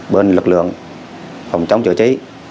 bên lực lượng phòng chống chữa trí